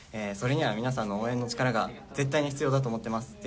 それには皆さんの応援の力が絶対に必要だと思ってます。